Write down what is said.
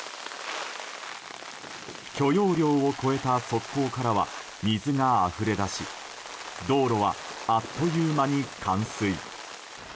許容量を超えた側溝からは水があふれ出し道路はあっという間に冠水。